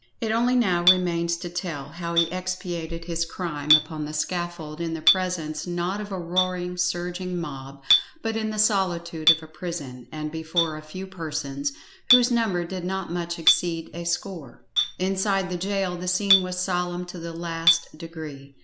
It now only remains to tell how he expiated his crime upon the scaffold in the presence not of a roaring, surging mob, but in the solitude of a prison, and before a few persons, whose number did not much exceed a score. Inside the gaol the scene was solemn to the last degree.